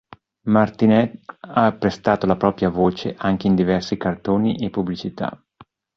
Martinet ha prestato la propria voce anche in diversi cartoni e pubblicità.